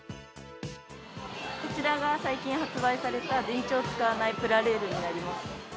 こちらが最近発売された電池を使わないプラレールになります。